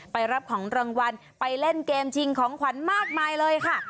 ไปรับของรางวัลไปเล่นเกมชิงของขวัญมากมายเลยค่ะ